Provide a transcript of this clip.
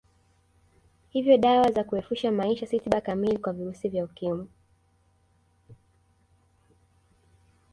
Hivyo dawa za kurefusha maisha si tiba kamili kwa virusi vya Ukimwi